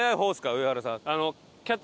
上原さん。